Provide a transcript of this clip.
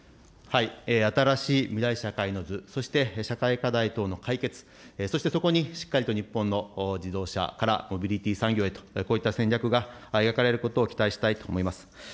新しい未来社会の図、そして社会課題等の解決、そしてそこにしっかりと日本の自動車からモビリティ産業へと、こういった戦略が描かれることを期待したいと思います。